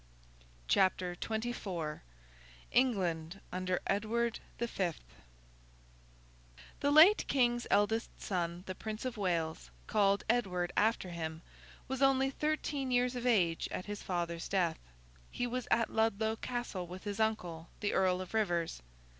CHAPTER XXIV ENGLAND UNDER EDWARD THE FIFTH The late King's eldest son, the Prince of Wales, called Edward after him, was only thirteen years of age at his father's death. He was at Ludlow Castle with his uncle, the Earl of Rivers.